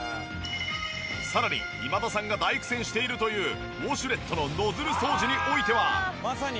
さらに今田さんが大苦戦しているというウォシュレットのノズル掃除においては。